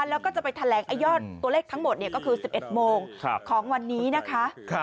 แล้วก็จะไปแถลงยอดตัวเลขทั้งหมดก็คือ๑๑โมงของวันนี้นะคะ